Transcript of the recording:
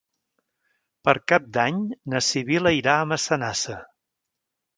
Per Cap d'Any na Sibil·la irà a Massanassa.